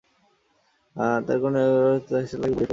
তার কোন একটির কাছে ঘেষলে তা তাকে পুড়িয়ে ফেলবে।